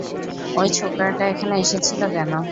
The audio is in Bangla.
ওই ছোকরাটা এখানে এসেছিল কেন?